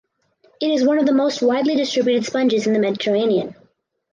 It is one of the most widely distributed sponges in the Mediterranean.